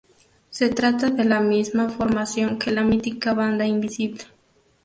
Se trata de la misma formación que la mítica banda Invisible.